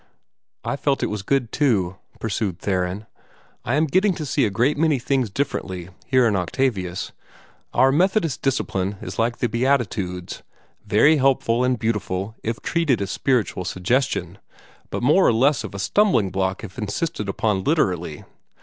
"I felt that it was good, too," pursued Theron. "I am getting to see a great many things differently, here in Octavius. Our Methodist Discipline is like the Beatitudes very helpful and beautiful, if treated as spiritual suggestion, but more or less of a stumbling block if insisted upon literally.